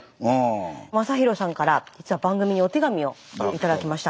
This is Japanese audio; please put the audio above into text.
将紘さんから実は番組にお手紙を頂きました。